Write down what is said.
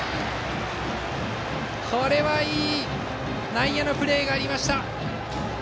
いい内野のプレーがありました。